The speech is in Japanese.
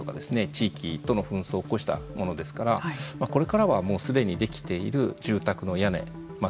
地域との紛争を起こしたものですからこれからはもう既にできている住宅の屋根まあ